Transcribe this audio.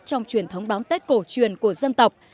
trong truyền thống đón tết cổ truyền của dân tộc